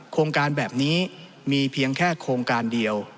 โครงการแบบนี้มีเพียงแค่โครงการเดียว